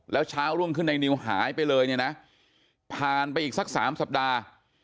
แล้วเช้ารุ่งขึ้นในนิวหายไปเลยเนี่ยนะผ่านไปอีกสัก๓สัปดาห์